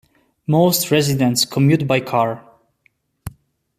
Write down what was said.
Most residents commute by car.